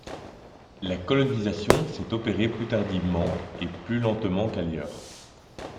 La colonisation s'est opérée plus tardivement et plus lentement qu'ailleurs.